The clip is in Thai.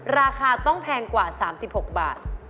ราคาต้องแพงกว่า๓๖บาท